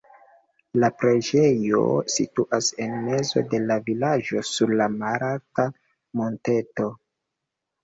La preĝejo situas en mezo de la vilaĝo sur malalta monteto.